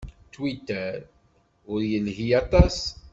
Twitter ur yelhi aṭas.